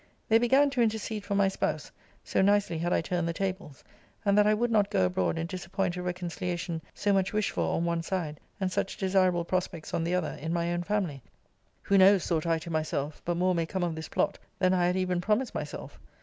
They began to intercede for my spouse, (so nicely had I turned the tables;) and that I would not go abroad and disappoint a reconciliation so much wished for on one side, and such desirable prospects on the other in my own family. Who knows, thought I to myself, but more may come of this plot, than I had even promised myself?